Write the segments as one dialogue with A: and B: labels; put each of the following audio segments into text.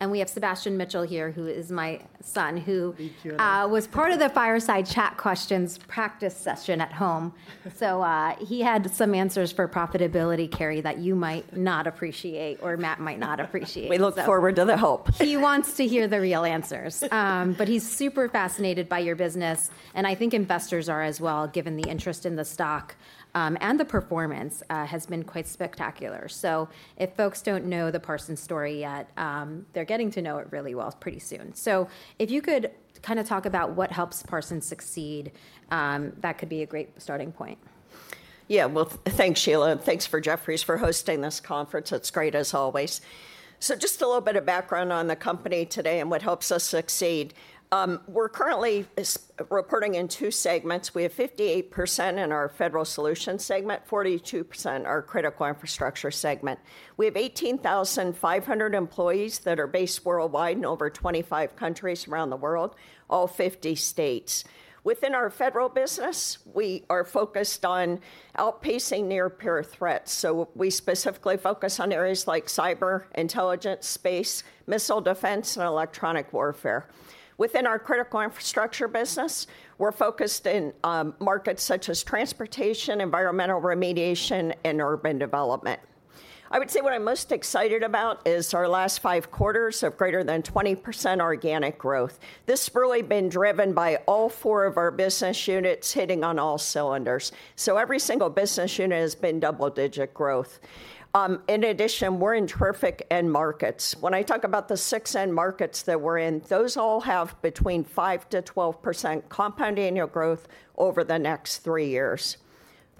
A: and we have Sebastian Mitchell here, who is my son, who- Hey, Carey. was part of the fireside chat questions practice session at home. So, he had some answers for profitability, Carey, that you might not appreciate or Matt might not appreciate.
B: We look forward to the hope.
A: He wants to hear the real answers. But he's super fascinated by your business, and I think investors are as well, given the interest in the stock, and the performance has been quite spectacular, so if folks don't know the Parsons story yet, they're getting to know it really well pretty soon, so if you could kind of talk about what helps Parsons succeed, that could be a great starting point.
B: Yeah. Well, thanks, Sheila, and thanks for Jefferies for hosting this conference. It's great, as always. So just a little bit of background on the company today and what helps us succeed. We're currently reporting in two segments. We have 58% in our federal solutions segment, 42% our critical infrastructure segment. We have 18,500 employees that are based worldwide in over 25 countries around the world, all 50 states. Within our federal business, we are focused on outpacing near-peer threats, so we specifically focus on areas like cyber, intelligence, space, missile defense, and electronic warfare. Within our critical infrastructure business, we're focused in markets such as transportation, environmental remediation, and urban development. I would say what I'm most excited about is our last five quarters of greater than 20% organic growth. This has really been driven by all four of our business units hitting on all cylinders, so every single business unit has been double-digit growth. In addition, we're in terrific end markets. When I talk about the six end markets that we're in, those all have between 5% to 12% compound annual growth over the next three years.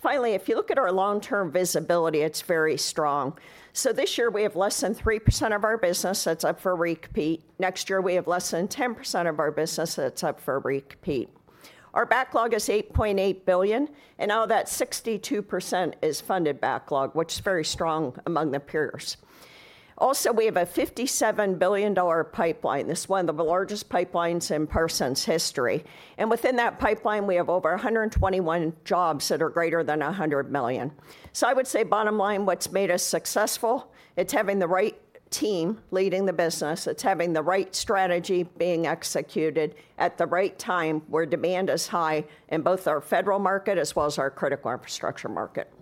B: Finally, if you look at our long-term visibility, it's very strong. So this year, we have less than 3% of our business that's up for repeat. Next year, we have less than 10% of our business that's up for repeat. Our backlog is $8.8 billion, and of that, 62% is funded backlog, which is very strong among the peers. Also, we have a $57 billion pipeline. This is one of the largest pipelines in Parsons' history, and within that pipeline, we have over 121 jobs that are greater than $100 million. So I would say, bottom line, what's made us successful, it's having the right team leading the business. It's having the right strategy being executed at the right time, where demand is high in both our federal market as well as our critical infrastructure market.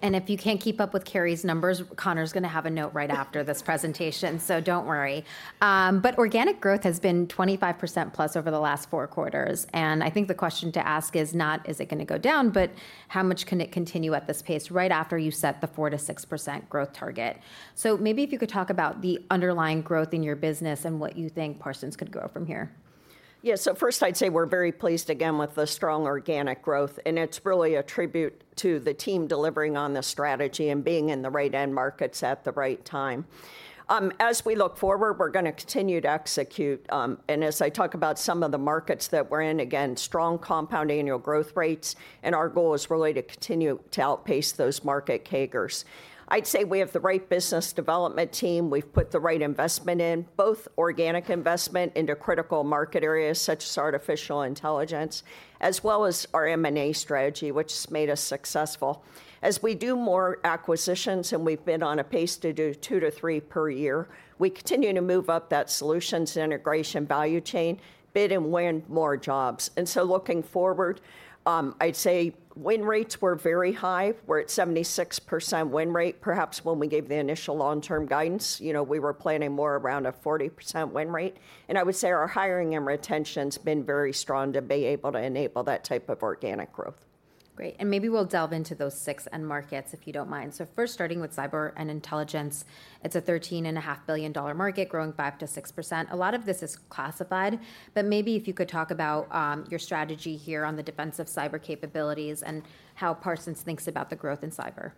A: And if you can't keep up with Carey's numbers, Connor's gonna have a note right after this presentation, so don't worry. But organic growth has been 25% plus over the last four quarters, and I think the question to ask is not, is it gonna go down, but how much can it continue at this pace right after you set the 4% to 6% growth target. Maybe if you could talk about the underlying growth in your business and what you think Parsons could grow from here.
B: Yeah, so first I'd say we're very pleased again with the strong organic growth, and it's really a tribute to the team delivering on the strategy and being in the right end markets at the right time. As we look forward, we're gonna continue to execute and as I talk about some of the markets that we're in, again, strong compound annual growth rates, and our goal is really to continue to outpace those market CAGRs. I'd say we have the right business development team. We've put the right investment in, both organic investment into critical market areas, such as artificial intelligence, as well as our M&A strategy, which has made us successful. As we do more acquisitions, and we've been on a pace to do two to three per year, we continue to move up that solutions and integration value chain, bid and win more jobs. Looking forward, I'd say win rates were very high. We're at 76% win rate. Perhaps when we gave the initial long-term guidance, you know, we were planning more around a 40% win rate, and I would say our hiring and retention's been very strong to be able to enable that type of organic growth.
A: Great, and maybe we'll delve into those six end markets, if you don't mind. So first, starting with cyber and intelligence, it's a $13.5 billion market, growing 5%-6%. A lot of this is classified, but maybe if you could talk about your strategy here on the defensive cyber capabilities and how Parsons thinks about the growth in cyber.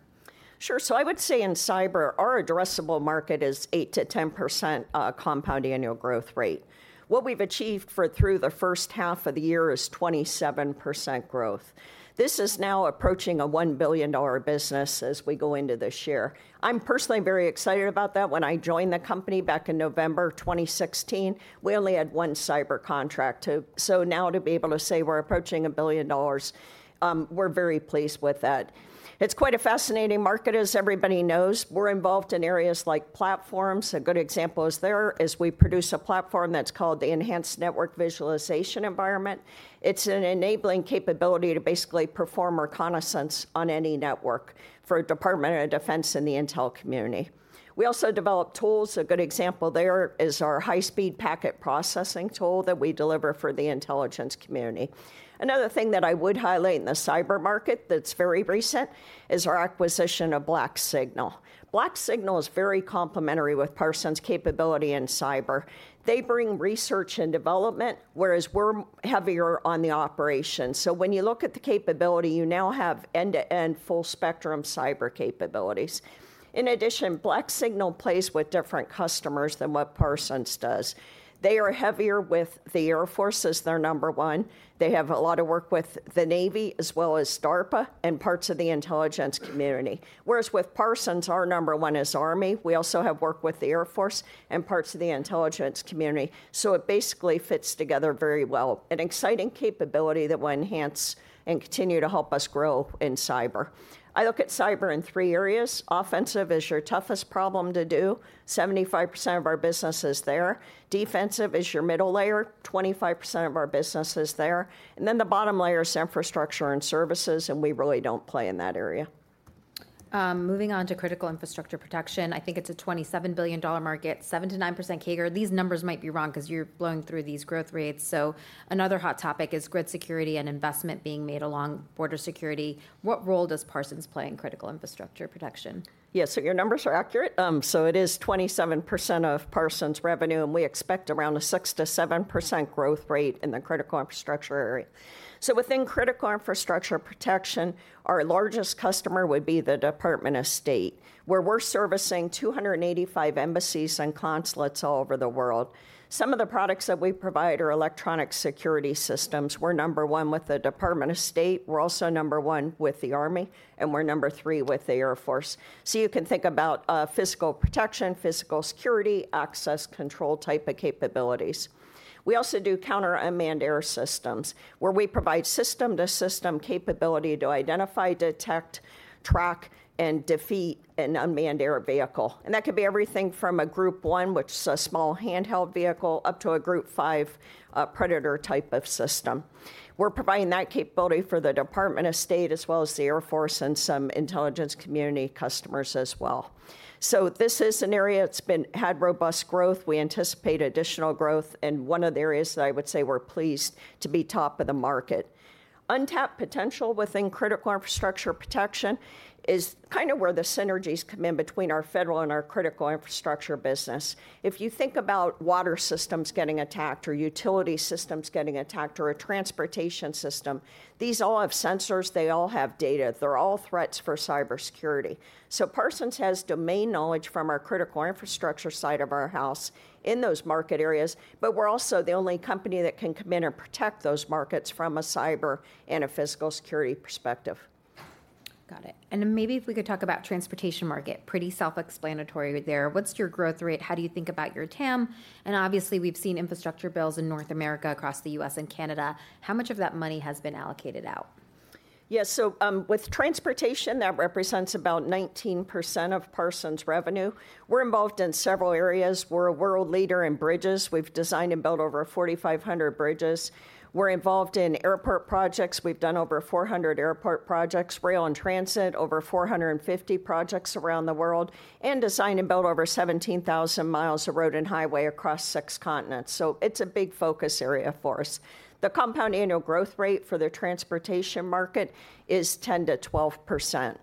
B: Sure, so I would say in cyber, our addressable market is 8%-10% compound annual growth rate. What we've achieved through the first half of the year is 27% growth. This is now approaching a $1 billion business as we go into this year. I'm personally very excited about that. When I joined the company back in November 2016, we only had one cyber contract to... So now to be able to say we're approaching $1 billion, we're very pleased with that. It's quite a fascinating market, as everybody knows. We're involved in areas like platforms. A good example is there is we produce a platform that's called the Enhanced Network Visualization Environment. It's an enabling capability to basically perform reconnaissance on any network for Department of Defense and the intel community. We also develop tools. A good example there is our high-speed packet processing tool that we deliver for the intelligence community. Another thing that I would highlight in the cyber market that's very recent is our acquisition of BlackSignal. BlackSignal is very complementary with Parsons' capability in cyber. They bring research and development, whereas we're heavier on the operations. So when you look at the capability, you now have end-to-end, full-spectrum cyber capabilities. In addition, BlackSignal plays with different customers than what Parsons does. They are heavier with the Air Force as their number one-... They have a lot of work with the Navy, as well as DARPA, and parts of the intelligence community. Whereas with Parsons, our number one is Army. We also have work with the Air Force and parts of the intelligence community, so it basically fits together very well. An exciting capability that will enhance and continue to help us grow in cyber. I look at cyber in three areas: offensive is your toughest problem to do, 75% of our business is there, defensive is your middle layer, 25% of our business is there, and then the bottom layer is infrastructure and services, and we really don't play in that area.
A: Moving on to critical infrastructure protection, I think it's a $27 billion market, 7%-9% CAGR. These numbers might be wrong 'cause you're blowing through these growth rates. So another hot topic is grid security and investment being made along border security. What role does Parsons play in critical infrastructure protection?
B: Yeah, so your numbers are accurate. So it is 27% of Parsons' revenue, and we expect around a 6%-7% growth rate in the critical infrastructure area. So within critical infrastructure protection, our largest customer would be the Department of State, where we're servicing 285 embassies and consulates all over the world. Some of the products that we provide are electronic security systems. We're number one with the Department of State, we're also number one with the Army, and we're number three with the Air Force. So you can think about physical protection, physical security, access control type of capabilities. We also do counter-unmanned aircraft systems, where we provide system-to-system capability to identify, detect, track, and defeat an unmanned aerial vehicle, and that could be everything from a group one, which is a small handheld vehicle, up to a group five, a Predator-type of system. We're providing that capability for the Department of State, as well as the Air Force and some intelligence community customers as well. So this is an area that's had robust growth. We anticipate additional growth, and one of the areas that I would say we're pleased to be top of the market. Untapped potential within critical infrastructure protection is kind of where the synergies come in between our federal and our critical infrastructure business. If you think about water systems getting attacked, or utility systems getting attacked, or a transportation system, these all have sensors, they all have data, they're all threats for cybersecurity. Parsons has domain knowledge from our Critical Infrastructure side of our house in those market areas, but we're also the only company that can come in and protect those markets from a cyber and a physical security perspective.
A: Got it, and then maybe if we could talk about transportation market. Pretty self-explanatory there. What's your growth rate? How do you think about your TAM? And obviously, we've seen infrastructure bills in North America, across the U.S. and Canada. How much of that money has been allocated out?
B: Yeah, so, with transportation, that represents about 19% of Parsons' revenue. We're involved in several areas. We're a world leader in bridges. We've designed and built over 4,500 bridges. We're involved in airport projects. We've done over 400 airport projects, rail and transit, over 450 projects around the world, and designed and built over 17,000 miles of road and highway across six continents, so it's a big focus area for us. The compound annual growth rate for the transportation market is 10%-12%. I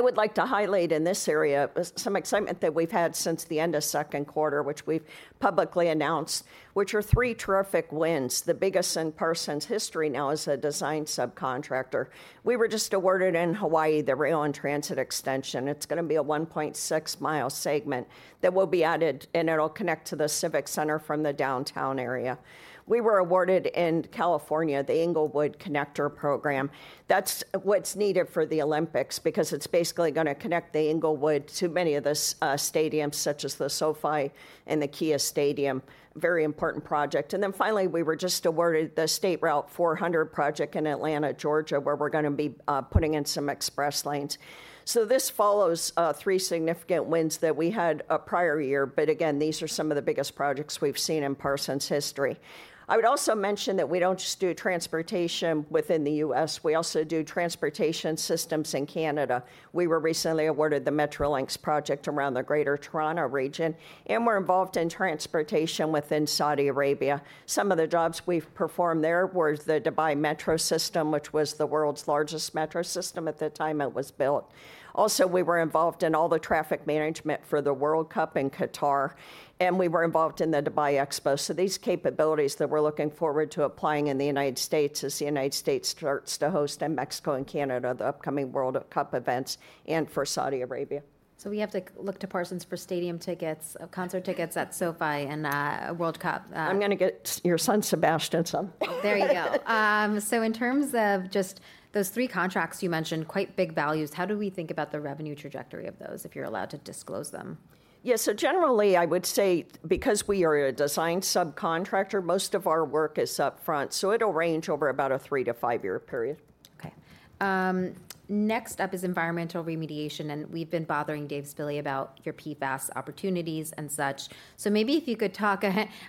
B: would like to highlight in this area, some excitement that we've had since the end of Q2, which we've publicly announced, which are three terrific wins, the biggest in Parsons' history now as a design subcontractor. We were just awarded in Hawaii, the rail and transit extension. It's gonna be a 1.6-mile segment that will be added, and it'll connect to the civic center from the downtown area. We were awarded in California the Inglewood Transit Connector. That's what's needed for the Olympics because it's basically gonna connect Inglewood to many of the stadiums, such as the SoFi and the Kia Stadium, a very important project. And then finally, we were just awarded the State Route 400 project in Atlanta, Georgia, where we're gonna be putting in some express lanes. So this follows three significant wins that we had a prior year, but again, these are some of the biggest projects we've seen in Parsons' history. I would also mention that we don't just do transportation within the U.S., we also do transportation systems in Canada. We were recently awarded the Metrolinx project around the Greater Toronto region, and we're involved in transportation within Saudi Arabia. Some of the jobs we've performed there were the Dubai Metro system, which was the world's largest metro system at the time it was built. Also, we were involved in all the traffic management for the World Cup in Qatar, and we were involved in the Dubai Expo. So these capabilities that we're looking forward to applying in the United States, as the United States starts to host, and Mexico and Canada, the upcoming World Cup events, and for Saudi Arabia.
A: So we have to look to Parsons for stadium tickets, concert tickets at SoFi and World Cup-
B: I'm gonna get your son Sebastian some.
A: There you go. So in terms of just those three contracts you mentioned, quite big values, how do we think about the revenue trajectory of those, if you're allowed to disclose them?
B: Yeah, so generally, I would say, because we are a design subcontractor, most of our work is upfront, so it'll range over about a three-to-five-year period.
A: Okay. Next up is environmental remediation, and we've been bothering Dave Spille about your PFAS opportunities and such. So maybe if you could talk...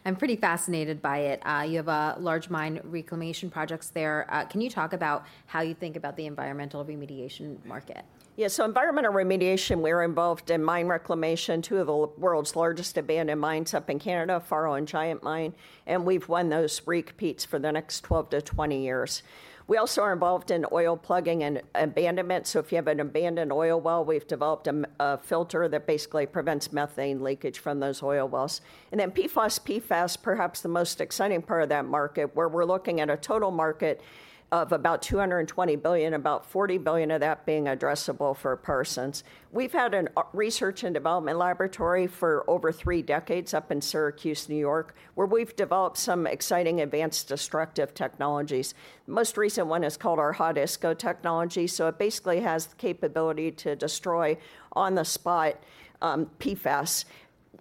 A: I'm pretty fascinated by it. You have large mine reclamation projects there. Can you talk about how you think about the environmental remediation market?
B: Yeah, so environmental remediation, we're involved in mine reclamation, two of the world's largest abandoned mines up in Canada, the Faro Mine and Giant Mine, and we've won those repeats for the next 12-20 years. We also are involved in oil plugging and abandonment, so if you have an abandoned oil well, we've developed a filter that basically prevents methane leakage from those oil wells. And then PFOS, PFAS, perhaps the most exciting part of that market, where we're looking at a total market of about $220 billion, about $40 billion of that being addressable for Parsons. We've had a research and development laboratory for over three decades up in Syracuse, New York, where we've developed some exciting advanced destructive technologies. The most recent one is called our Hot-ISCO technology, so it basically has the capability to destroy on the spot, PFAS.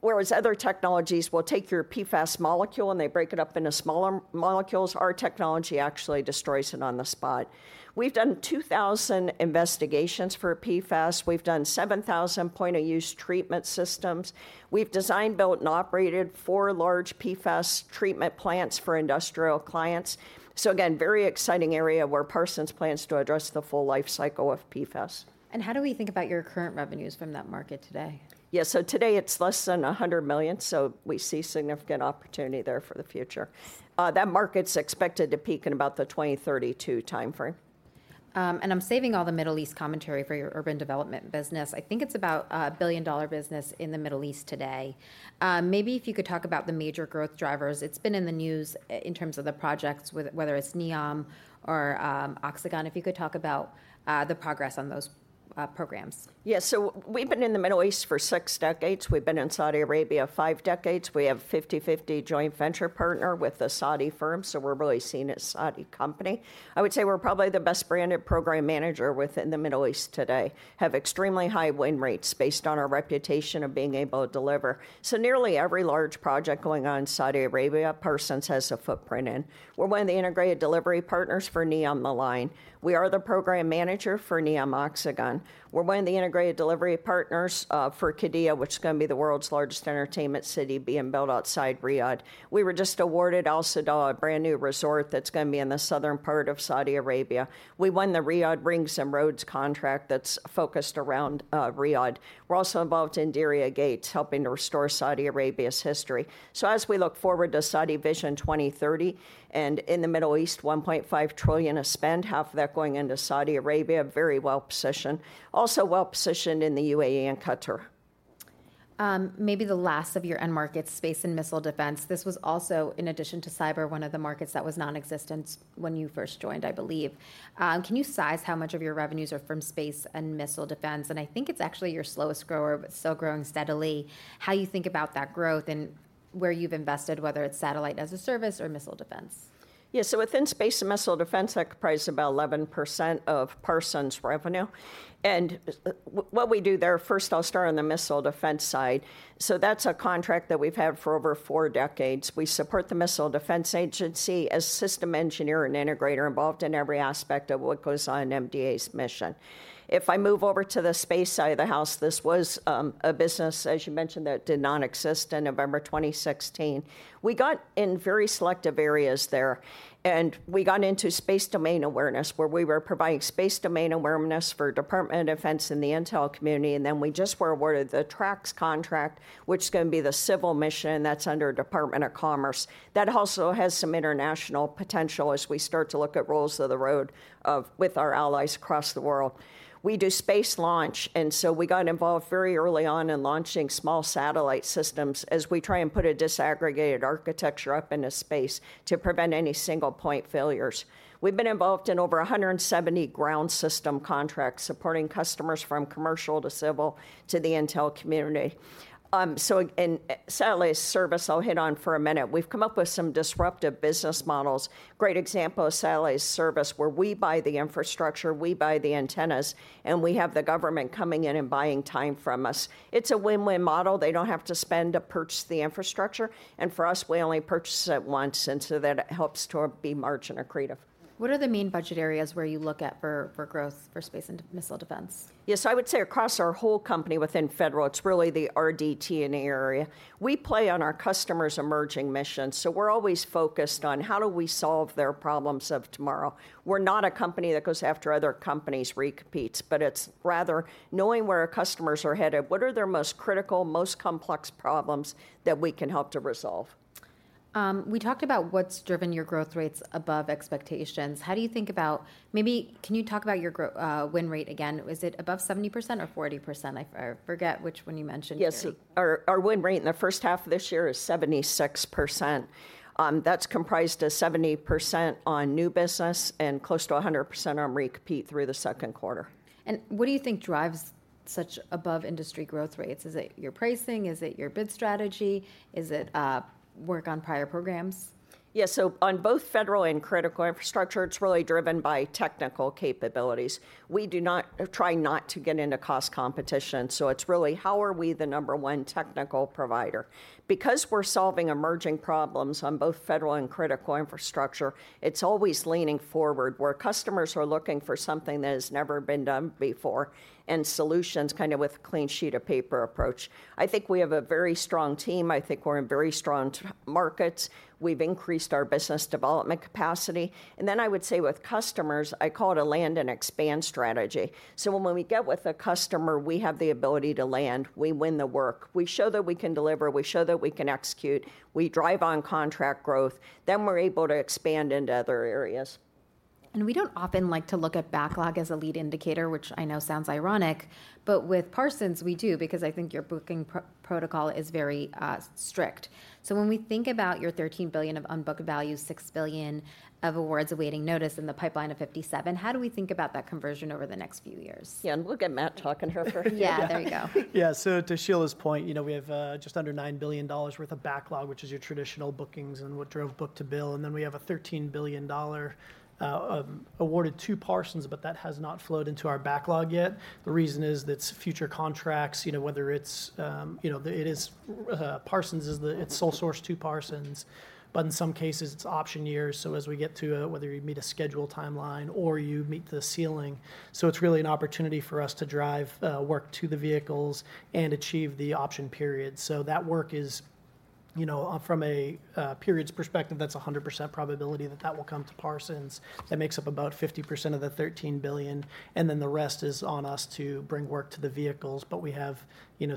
B: Whereas other technologies will take your PFAS molecule, and they break it up into smaller molecules, our technology actually destroys it on the spot. We've done 2,000 investigations for PFAS. We've done 7,000 point-of-use treatment systems. We've designed, built, and operated four large PFAS treatment plants for industrial clients. So again, very exciting area where Parsons plans to address the full life cycle of PFAS.
A: How do we think about your current revenues from that market today?
B: Yeah, so today it's less than $100 million, so we see significant opportunity there for the future. That market's expected to peak in about the 2032 timeframe.
A: And I'm saving all the Middle East commentary for your urban development business. I think it's a $1 billion business in the Middle East today. Maybe if you could talk about the major growth drivers. It's been in the news in terms of the projects, whether it's NEOM or Oxagon. If you could talk about the progress on those programs.
B: Yeah, so we've been in the Middle East for six decades. We've been in Saudi Arabia five decades. We have 50/50 joint venture partner with a Saudi firm, so we're really seen as a Saudi company. I would say we're probably the best-branded program manager within the Middle East today, have extremely high win rates based on our reputation of being able to deliver. So nearly every large project going on in Saudi Arabia, Parsons has a footprint in. We're one of the integrated delivery partners for NEOM The Line. We are the program manager for NEOM Oxagon. We're one of the integrated delivery partners for Qiddiya, which is gonna be the world's largest entertainment city being built outside Riyadh. We were just awarded AlUla, a brand-new resort that's gonna be in the southern part of Saudi Arabia. We won the Riyadh Rings and Roads contract that's focused around Riyadh. We're also involved in Diriyah Gate, helping to restore Saudi Arabia's history. So as we look forward to Saudi Vision 2030, and in the Middle East, $1.5 trillion of spend, half of that going into Saudi Arabia, very well-positioned. Also well-positioned in the UAE and Qatar.
A: Maybe the last of your end markets, space and missile defense, this was also, in addition to cyber, one of the markets that was nonexistent when you first joined, I believe. Can you size how much of your revenues are from space and missile defense? And I think it's actually your slowest grower but still growing steadily. How you think about that growth and where you've invested, whether it's satellite-as-a-service or missile defense?
B: Yeah, so within space and missile defense, that comprise about 11% of Parsons' revenue, and what we do there, first, I'll start on the missile defense side. So that's a contract that we've had for over four decades. We support the Missile Defense Agency as system engineer and integrator involved in every aspect of what goes on in MDA's mission. If I move over to the space side of the house, this was a business, as you mentioned, that did not exist in November 2016. We got in very selective areas there, and we got into space domain awareness, where we were providing space domain awareness for Department of Defense and the intel community, and then we just were awarded the TraCSS contract, which is gonna be the civil mission that's under Department of Commerce. That also has some international potential as we start to look at rules of the road of, with our allies across the world. We do space launch, and so we got involved very early on in launching small satellite systems, as we try and put a disaggregated architecture up into space to prevent any single-point failures. We've been involved in over 170 ground system contracts, supporting customers from commercial to civil to the intel community. Satellite service, I'll hit on for a minute. We've come up with some disruptive business models. Great example of satellite service where we buy the infrastructure, we buy the antennas, and we have the government coming in and buying time from us. It's a win-win model. They don't have to spend to purchase the infrastructure, and for us, we only purchase it once, and so then it helps to be margin accretive.
A: What are the main budget areas where you look at for growth for space and missile defense?
B: Yes, I would say across our whole company within federal, it's really the RDT&E area. We play on our customers' emerging missions, so we're always focused on how do we solve their problems of tomorrow. We're not a company that goes after other companies' repeats, but it's rather knowing where our customers are headed. What are their most critical, most complex problems that we can help to resolve?
A: We talked about what's driven your growth rates above expectations. How do you think about... Maybe can you talk about your growth win rate again? Was it above 70% or 40%? I forget which one you mentioned earlier.
B: Yes. Our win rate in the first half of this year is 76%. That's comprised of 70% on new business and close to 100% on repeat through the Q2.
A: What do you think drives such above-industry growth rates? Is it your pricing? Is it your bid strategy? Is it work on prior programs?
B: Yeah, so on both federal and Critical Infrastructure, it's really driven by technical capabilities. We do not try not to get into cost competition, so it's really, how are we the number one technical provider? Because we're solving emerging problems on both federal and Critical Infrastructure, it's always leaning forward, where customers are looking for something that has never been done before, and solutions kind of with a clean sheet of paper approach. I think we have a very strong team. I think we're in very strong markets. We've increased our business development capacity, and then I would say with customers, I call it a land and expand strategy. So when we get with a customer, we have the ability to land. We win the work. We show that we can deliver. We show that we can execute. We drive on contract growth. We're able to expand into other areas.
A: We don't often like to look at backlog as a lead indicator, which I know sounds ironic, but with Parsons, we do because I think your booking protocol is very strict. When we think about your $13 billion of unbooked value, $6 billion of awards awaiting notice, and the pipeline of $57 billion, how do we think about that conversion over the next few years?
B: Yeah, and we'll get Matt to talk in here for a few-
A: Yeah, there you go.
C: Yeah, so to Sheila's point, you know, we have just under $9 billion worth of backlog, which is your traditional bookings and what drove book-to-bill, and then we have a $13 billion awarded to Parsons, but that has not flowed into our backlog yet. The reason is that's future contracts, you know, whether it's... you know, the, it is, Parsons is the, it's sole source to Parsons, but in some cases, it's option years, so as we get to whether you meet a schedule timeline or you meet the ceiling. So it's really an opportunity for us to drive work to the vehicles and achieve the option period. So that work is... you know, from a periods perspective, that's 100% probability that that will come to Parsons. That makes up about 50% of the $13 billion, and then the rest is on us to bring work to the vehicles. But we have, you know,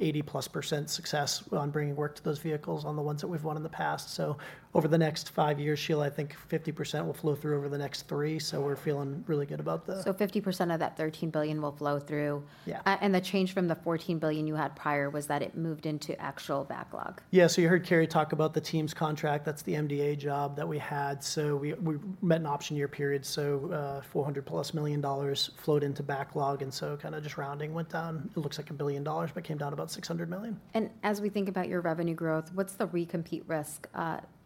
C: 80+% success on bringing work to those vehicles on the ones that we've won in the past. So over the next five years, Sheila, I think 50% will flow through over the next three, so we're feeling really good about that.
A: So 50% of that $13 billion will flow through?
C: Yeah.
A: And the change from the $14 billion you had prior was that it moved into actual backlog?
C: Yeah, so you heard Carey talk about the TEAMS contract. That's the MDA job that we had. So we met an option year period, so $400-plus million dollars flowed into backlog, and so kinda just rounding went down. It looks like a billion dollars, but it came down to about $600 million.
A: And as we think about your revenue growth, what's the recompete risk?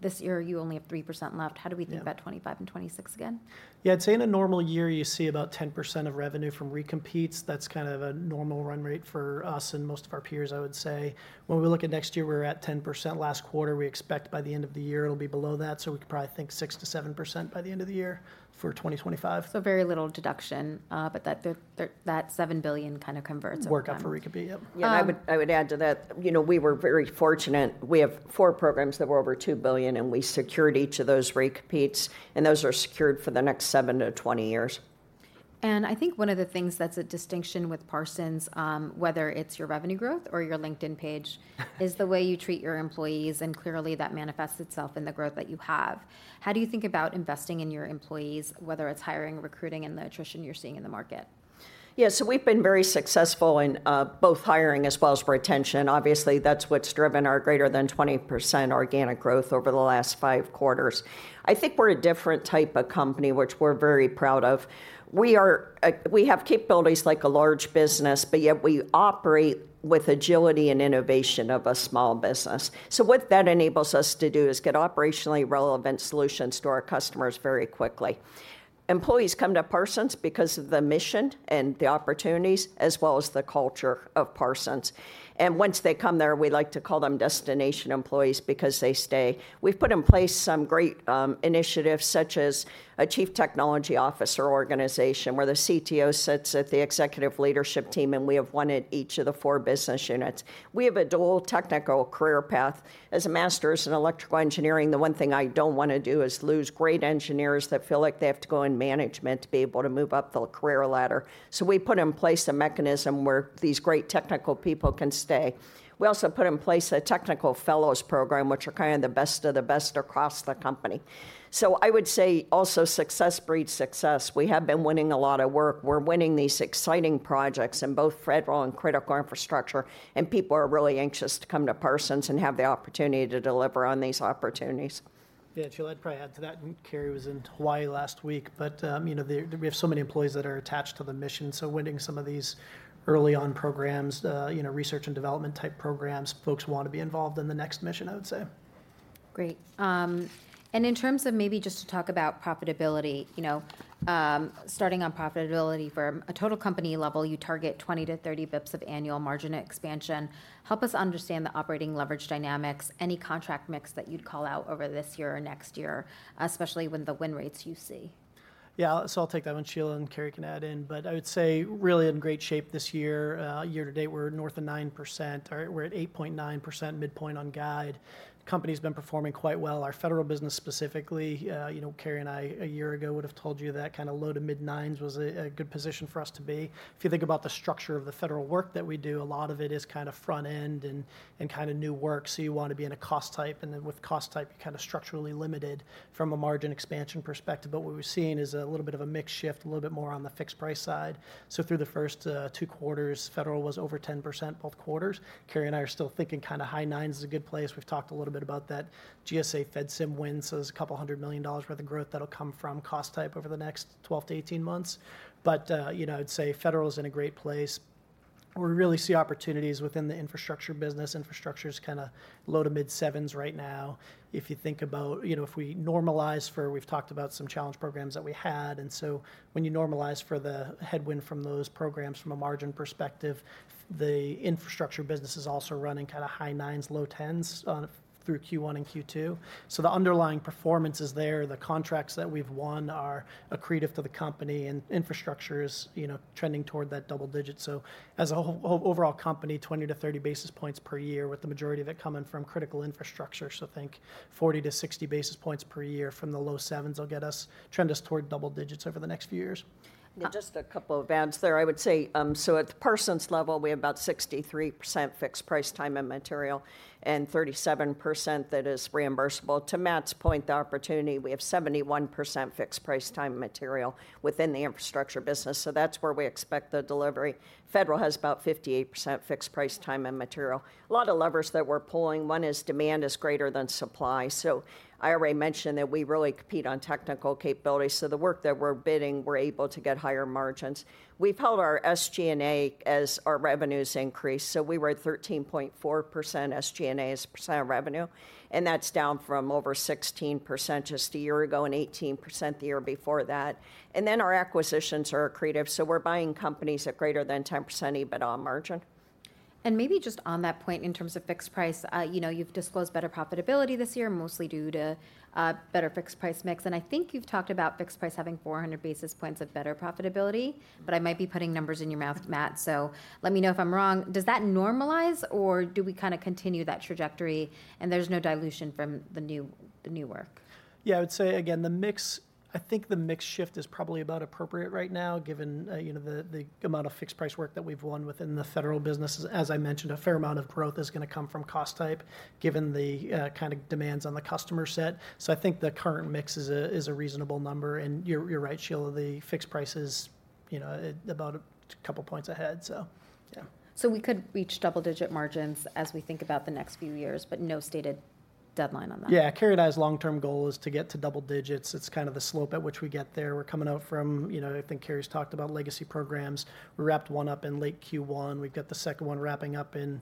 A: This year you only have 3% left.
C: Yeah.
A: How do we think about 2025 and 2026 again?
C: Yeah, I'd say in a normal year, you see about 10% of revenue from recompetes. That's kind of a normal run rate for us and most of our peers, I would say. When we look at next year, we're at 10% last quarter. We expect by the end of the year it'll be below that, so we could probably think 6%-7% by the end of the year for 2025.
A: So very little deduction, but that $7 billion kind of converts-
C: Work out for recompete, yeah.
A: Um-
B: Yeah, I would, I would add to that, you know, we were very fortunate. We have four programs that were over $2 billion, and we secured each of those recompetes, and those are secured for the next seven to twenty years.
A: I think one of the things that's a distinction with Parsons, whether it's your revenue growth or your LinkedIn page is the way you treat your employees, and clearly, that manifests itself in the growth that you have. How do you think about investing in your employees, whether it's hiring, recruiting, and the attrition you're seeing in the market?
B: Yeah, so we've been very successful in both hiring as well as retention. Obviously, that's what's driven our greater than 20% organic growth over the last five quarters. I think we're a different type of company, which we're very proud of. We are we have capabilities like a large business, but yet we operate with agility and innovation of a small business. So what that enables us to do is get operationally relevant solutions to our customers very quickly. Employees come to Parsons because of the mission and the opportunities, as well as the culture of Parsons. And once they come there, we like to call them destination employees because they stay. We've put in place some great initiatives, such as a chief technology officer organization, where the CTO sits at the executive leadership team, and we have one at each of the four business units. We have a dual technical career path. As a master's in electrical engineering, the one thing I don't wanna do is lose great engineers that feel like they have to go in management to be able to move up the career ladder. So we put in place a mechanism where these great technical people can stay. We also put in place a technical fellows program, which are kind of the best of the best across the company, so I would say also, success breeds success. We have been winning a lot of work. We're winning these exciting projects in both federal and critical infrastructure, and people are really anxious to come to Parsons and have the opportunity to deliver on these opportunities.
C: Yeah, Sheila, I'd probably add to that, and Carey was in Hawaii last week, but, you know, the, we have so many employees that are attached to the mission, so winning some of these early-on programs, you know, research and development type programs, folks want to be involved in the next mission, I would say.
A: Great. And in terms of maybe just to talk about profitability, you know, starting on profitability, from a total company level, you target twenty to thirty basis points of annual margin expansion. Help us understand the operating leverage dynamics, any contract mix that you'd call out over this year or next year, especially with the win rates you see.
C: Yeah, so I'll take that one, Sheila, and Carey can add in, but I would say really in great shape this year. Year to date, we're north of 9%, or we're at 8.9% midpoint on guide. Company's been performing quite well. Our federal business specifically, you know, Carey and I, a year ago, would have told you that kinda low to mid-nines was a good position for us to be. If you think about the structure of the federal work that we do, a lot of it is kind of front end and kinda new work, so you want to be in a cost type, and then with cost type, you're kinda structurally limited from a margin expansion perspective. But what we've seen is a little bit of a mix shift, a little bit more on the fixed price side. So through the first two quarters, Federal was over 10% both quarters. Carey and I are still thinking kinda high 9s is a good place. We've talked a little bit about that GSA FEDSIM win, so there's $200 million worth of growth that'll come from cost type over the next 12 to 18 months. But you know, I'd say Federal is in a great place. We really see opportunities within the Infrastructure business. Infrastructure's kinda low- to mid-sevens right now. If you think about. You know, if we normalize for. We've talked about some challenge programs that we had, and so when you normalize for the headwind from those programs, from a margin perspective, the Infrastructure business is also running kinda high 9s, low 10s, through Q1 and Q2. So the underlying performance is there. The contracts that we've won are accretive to the company, and infrastructure is, you know, trending toward that double digits. So as a overall company, 20-30 basis points per year, with the majority of it coming from critical infrastructure, so think 40-60 basis points per year from the low sevens will get us, trend us toward double digits over the next few years.
B: Yeah, just a couple of adds there. I would say, so at the Parsons level, we have about 63% fixed price, time and material, and 37% that is reimbursable. To Matt's point, the opportunity, we have 71% fixed price, time, and material within the infrastructure business, so that's where we expect the delivery. Federal has about 58% fixed price, time, and material. A lot of levers that we're pulling, one is demand is greater than supply. So I already mentioned that we really compete on technical capabilities, so the work that we're bidding, we're able to get higher margins. We've held our SG&A as our revenues increase, so we were at 13.4% SG&A as a percent of revenue, and that's down from over 16% just a year ago, and 18% the year before that. Our acquisitions are accretive, so we're buying companies at greater than 10% EBITDA margin.
A: And maybe just on that point, in terms of fixed-price, you know, you've disclosed better profitability this year, mostly due to better fixed-price mix. And I think you've talked about fixed-price having four hundred basis points of better profitability, but I might be putting numbers in your mouth, Matt, so let me know if I'm wrong. Does that normalize, or do we kinda continue that trajectory, and there's no dilution from the new, the new work?
C: Yeah, I would say, again, the mix. I think the mix shift is probably about appropriate right now, given, you know, the amount of fixed price work that we've won within the federal business. As I mentioned, a fair amount of growth is gonna come from cost type, given the kinda demands on the customer set. So I think the current mix is a reasonable number, and you're right, Sheila, the fixed price is, you know, about a couple points ahead, so yeah.
A: So we could reach double-digit margins as we think about the next few years, but no stated deadline on that?
C: Yeah, Carey and I's long-term goal is to get to double digits. It's kind of the slope at which we get there. We're coming out from, you know, I think Carey's talked about legacy programs. We wrapped one up in late Q1. We've got the second one wrapping up in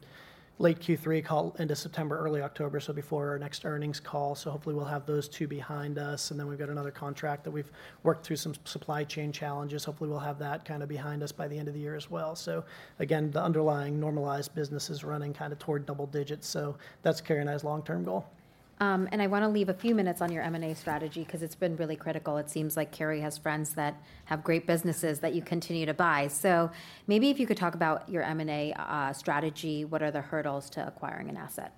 C: late Q3, call it end of September, early October, so before our next earnings call. So hopefully we'll have those two behind us, and then we've got another contract that we've worked through some supply chain challenges. Hopefully, we'll have that kinda behind us by the end of the year as well. So again, the underlying normalized business is running kinda toward double digits, so that's Carey and I's long-term goal.
A: And I wanna leave a few minutes on your M&A strategy 'cause it's been really critical. It seems like Carey has friends that have great businesses that you continue to buy. So maybe if you could talk about your M&A strategy, what are the hurdles to acquiring an asset?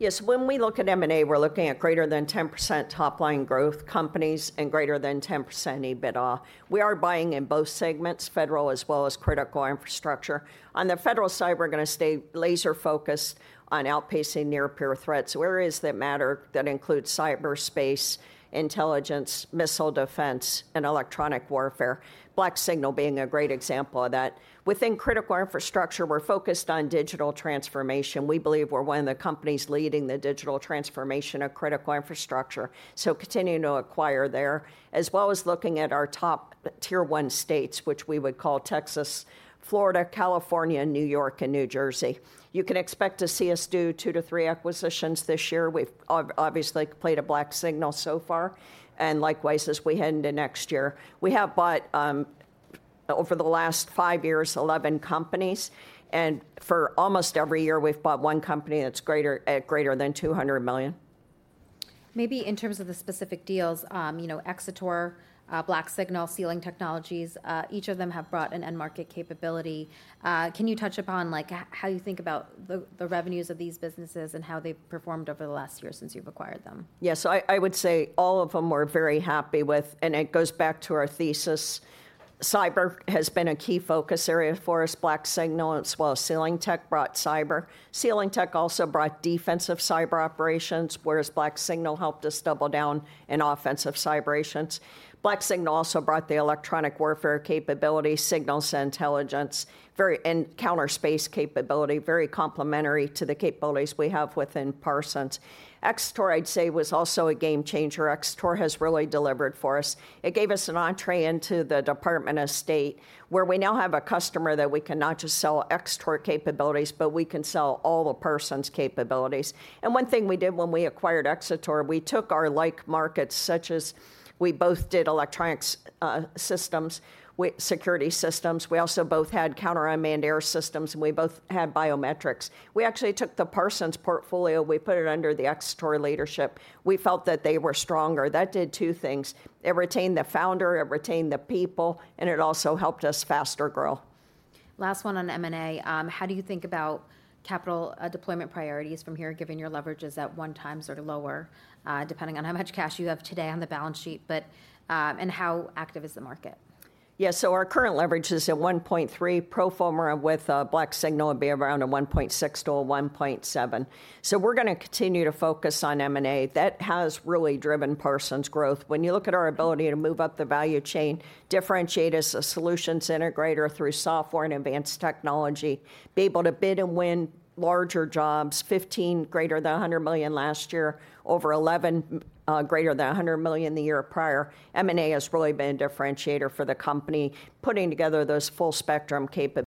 B: Yes, when we look at M&A, we're looking at greater than 10% top-line growth companies and greater than 10% EBITDA. We are buying in both segments, federal as well as critical infrastructure. On the federal side, we're gonna stay laser-focused on outpacing near-peer threats, areas that matter that include cyberspace, intelligence, missile defense, and electronic warfare, BlackSignal being a great example of that. Within critical infrastructure, we're focused on digital transformation. We believe we're one of the companies leading the digital transformation of critical infrastructure, so continuing to acquire there, as well as looking at our top tier one states, which we would call Texas, Florida, California, New York, and New Jersey. You can expect to see us do two to three acquisitions this year. We've obviously played BlackSignal so far, and likewise, as we head into next year. We have bought, over the last five years, eleven companies, and for almost every year, we've bought one company that's greater than $200 million.
A: Maybe in terms of the specific deals, you know, Xator, BlackSignal, Sealing Technologies, each of them have brought an end-market capability. Can you touch upon, like, how you think about the revenues of these businesses and how they've performed over the last year since you've acquired them?
B: Yes. So I would say all of them we're very happy with, and it goes back to our thesis. Cyber has been a key focus area for us. Black Signal, as well as SealingTech, brought cyber. SealingTech also brought defensive cyber operations, whereas Black Signal helped us double down in offensive cyber operations. Black Signal also brought the electronic warfare capability, signals intelligence, EW and counter space capability, very complementary to the capabilities we have within Parsons. Xator, I'd say, was also a game changer. Xator has really delivered for us. It gave us an entrée into the Department of State, where we now have a customer that we can not just sell Xator capabilities, but we can sell all the Parsons capabilities. One thing we did when we acquired Xator, we took our, like, markets, such as we both did electronics systems, security systems. We also both had counter unmanned aircraft systems, and we both had biometrics. We actually took the Parsons portfolio, we put it under the Xator leadership. We felt that they were stronger. That did two things: It retained the founder, it retained the people, and it also helped us faster grow.
A: Last one on M&A. How do you think about capital deployment priorities from here, given your leverage is at one times or lower, depending on how much cash you have today on the balance sheet, and how active is the market?
B: Yeah, so our current leverage is at 1.3. Pro forma with BlackSignal, it'd be around a 1.6 to a 1.7. So we're gonna continue to focus on M&A. That has really driven Parsons' growth. When you look at our ability to move up the value chain, differentiate as a solutions integrator through software and advanced technology, be able to bid and win larger jobs, 15 greater than $100 million last year, over 11 greater than $100 million the year prior, M&A has really been a differentiator for the company, putting together those full spectrum capabilities.